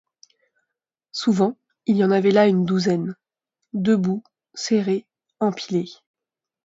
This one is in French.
Souvent, il y en avait là une douzaine, debout, serrés, empilés.